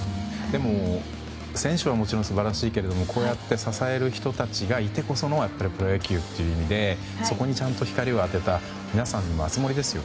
でも、選手はもちろん素晴らしいですけどもこうやって支える人たちがいてこそのプロ野球ということでそこに光を当てた皆さんも、熱盛ですよ。